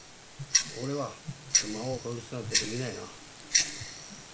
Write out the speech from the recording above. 俺は熊を殺すなんてできないな。